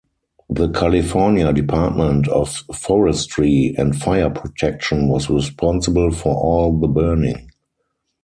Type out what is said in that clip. The California Department of Forestry and Fire Protection was responsible for all the burning.